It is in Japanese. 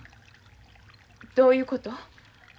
どういうこと？